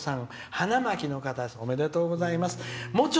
花巻の方、おめでとうございます。